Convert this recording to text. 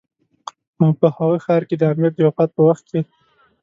او په هغه ښار کې د امیر د وفات په وخت کې.